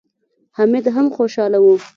حميد هم خوشاله و.